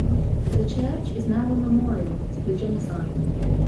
The church is now a memorial to the genocide.